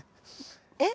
えっ？